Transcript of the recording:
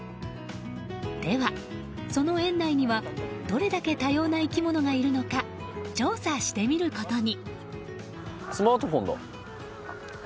では、その園内にはどれだけ多様な生き物がいるのか調査してみることに。